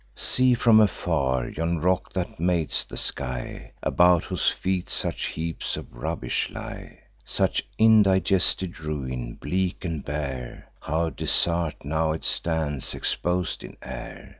See, from afar, yon rock that mates the sky, About whose feet such heaps of rubbish lie; Such indigested ruin; bleak and bare, How desert now it stands, expos'd in air!